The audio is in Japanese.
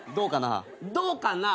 どうかな？